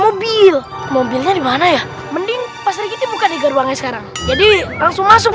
mobil mobilnya dimana ya mending pasti kita buka di garwangnya sekarang jadi langsung langsung